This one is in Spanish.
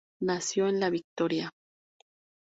Nació en La Victoria.